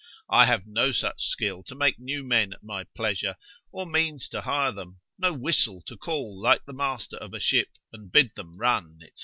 I have no such skill to make new men at my pleasure, or means to hire them; no whistle to call like the master of a ship, and bid them run, &c.